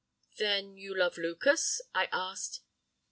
"'Then, you love Lucas?' I asked.